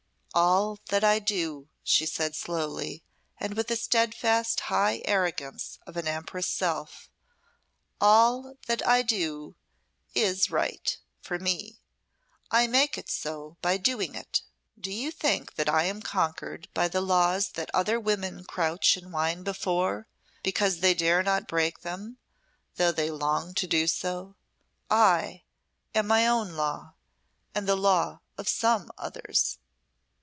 "All that I do," she said slowly, and with the steadfast high arrogance of an empress' self "All that I do is right for me. I make it so by doing it. Do you think that I am conquered by the laws that other women crouch and whine before, because they dare not break them, though they long to do so? I am my own law and the law of some others."